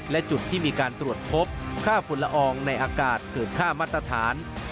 และจุดที่มีการตรวจพบค่าฝุ่นละอองในอากาศเกินค่ามาตรฐาน